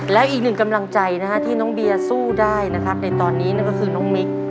และอีกหนึ่งกำลังใจนะฮะที่น้องเบียร์สู้ได้นะครับในตอนนี้นั่นก็คือน้องมิค